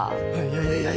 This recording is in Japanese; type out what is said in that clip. いやいや。